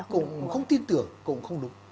cũng không tin tưởng cũng không đúng